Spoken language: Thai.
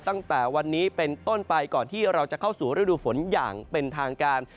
ตั้งแต่วันนี้เป็นต้นไปก่อนที่เราจะเข้าสู่ฤดูฝนอย่างเป็นทางการ